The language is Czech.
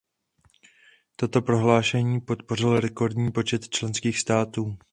Toto prohlášení podpořil rekordní počet členských států.